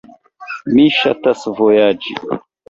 Mi ŝatas vojaĝi.